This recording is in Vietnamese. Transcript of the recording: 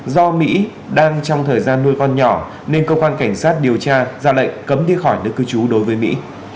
do mỹ đang trong thời gian nuôi con nhỏ nên công an cảnh sát điều tra ra lệnh cấm đi khỏi nơi cư chú đối với mỹ